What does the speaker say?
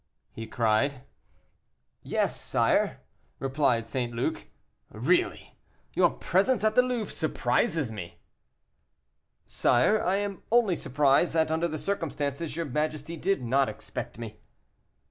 he cried. "Yes, sire," replied St. Luc. "Really, your presence at the Louvre surprises me." "Sire, I am only surprised that, under the circumstances, your majesty did not expect me."